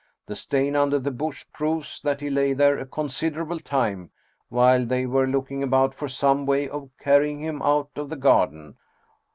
The stain under the bush proves that he lay there a considerable time, while they were looking about for some way of carrying him out of the garden.